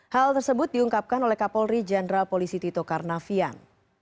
hal tersebut diungkapkan oleh kapolri jenderal polisi tito karnavian